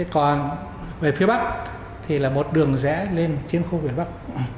còn về phía bắc thì là một đường rẽ lên trên khu việt bắc